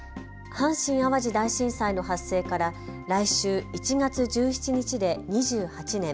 阪神・淡路大震災の発生から来週１月１７日で２８年。